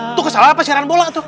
itu kesalahan apa siaran bola tuh